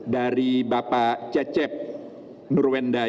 dari bapak cecep nurwendaya